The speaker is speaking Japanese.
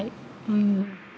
うん。